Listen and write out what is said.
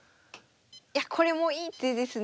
これもいい手ですね。